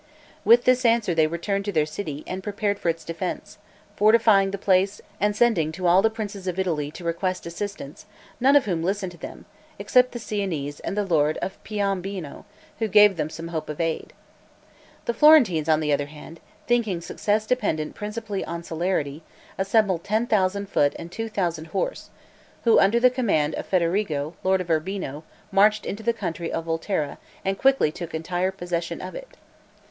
With this answer they returned to their city, and prepared for its defense; fortifying the place, and sending to all the princes of Italy to request assistance, none of whom listened to them, except the Siennese and the lord of Piombino, who gave them some hope of aid. The Florentines on the other hand, thinking success dependent principally upon celerity, assembled ten thousand foot and two thousand horse, who, under the command of Federigo, lord of Urbino, marched into the country of Volterra and quickly took entire possession of it.